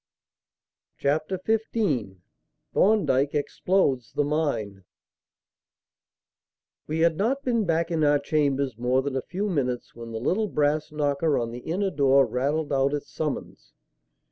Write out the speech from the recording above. Chapter XV Thorndyke Explodes the Mine We had not been back in our chambers more than a few minutes when the little brass knocker on the inner door rattled out its summons.